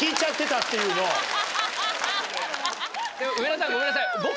上田さんごめんなさい。